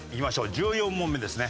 １４問目ですね。